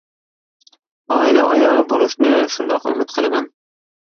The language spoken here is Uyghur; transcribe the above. ئائىلە ئايالى بولۇشنى شۇنداق ئۈمىد قىلىمەن.